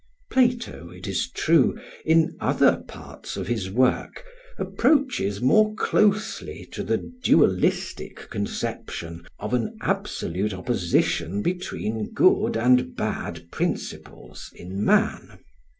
] Plato, it is true, in other parts of his work, approaches more closely to the dualistic conception of an absolute opposition between good and bad principles in man.